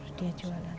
ya dia jualan